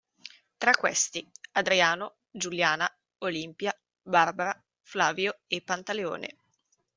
Tra questi: Adriano, Giuliana, Olimpia, Barbara, Flavio e Pantaleone.